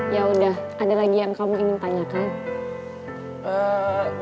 yaudah ada lagi yang kamu ingin tanyakan